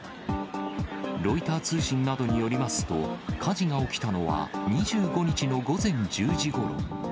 ロイター通信などによりますと、火事が起きたのは、２５日の午前１０時ごろ。